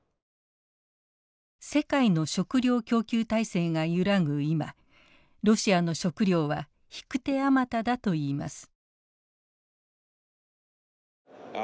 世界の食料供給体制が揺らぐ今ロシアの食料は引く手あまただといいます。